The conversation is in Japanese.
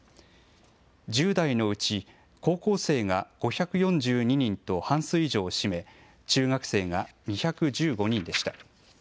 １０代のうち、高校生が５４２人と半数以上を占め、中学生が２１５人でした。